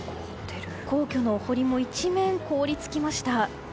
皇居のお堀も一面凍り付きました。